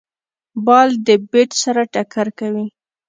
بال د بېټ سره ټکر کوي.